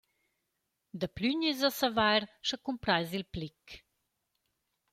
Daplü gnis a savair scha cumprais il plic!